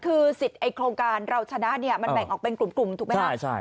คือสิทธิ์โครงการเราชนะเนี่ยมันแบ่งออกเป็นกลุ่มถูกไหมครับ